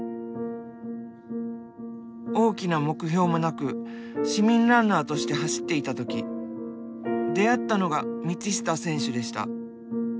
大きな目標もなく市民ランナーとして走っていた時出会ったのが道下選手でした。